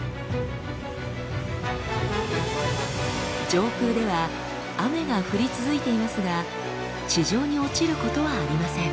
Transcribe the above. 上空では雨が降り続いていますが地上に落ちることはありません。